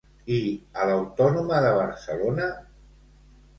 I a l'Autònoma de Barcelona?